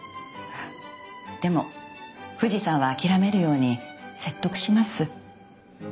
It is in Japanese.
でも富士山は諦めるように説得します。